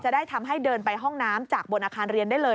ได้ทำให้เดินไปห้องน้ำจากบนอาคารเรียนได้เลย